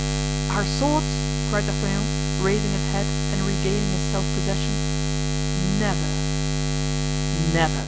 "Our swords!" cried D'Artagnan, raising his head and regaining his self possession. "Never!" "Never!"